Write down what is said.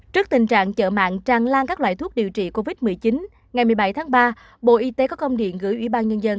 trước tình trạng chợ mạng tràn lan các loại thuốc điều trị covid một mươi chín ngày một mươi bảy tháng ba bộ y tế có công điện gửi ủy ban nhân dân